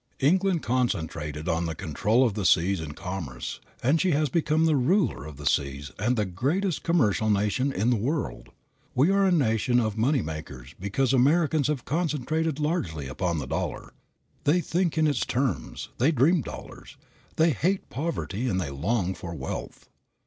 England concentrated on the control of the seas and commerce, and she has become the ruler of the seas and the greatest commercial nation in the world. We are a nation of money makers because Americans have concentrated largely upon the dollar. They think in its terms; they dream dollars; they hate poverty and they long for wealth.